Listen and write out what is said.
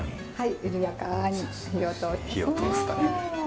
はい。